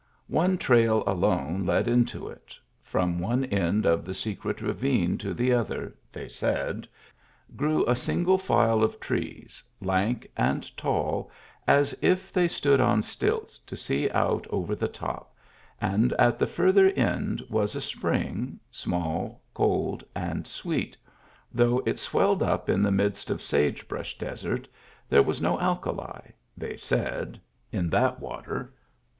One trail alone led into it; from one end of the secret ravine to the other — they said — grew a single file of trees lank and tall as if they stood on stilts to see out over the top, and at the further end was a spring, small, cold, and sweet ; though it welled up in the midst of sage brush desert, there was no alkali — they said — in that water.